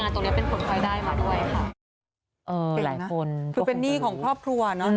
ใช่ค่ะก็มีงานเข้ามาเยอะขึ้นค่ะ